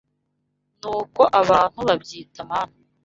Nuko abantu babyita MANU